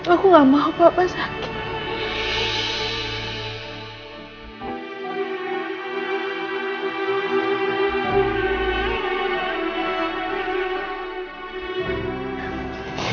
aku gak mau bapak sakit